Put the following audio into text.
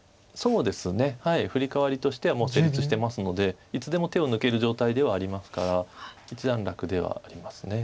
そうですねフリカワリとしてはもう成立してますのでいつでも手を抜ける状態ではありますから一段落ではあります。